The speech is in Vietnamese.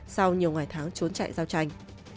sau nhiều ngày tháng trốn chạy giao tranh